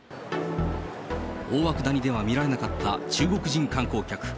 大涌谷では見られなかった中国人観光客。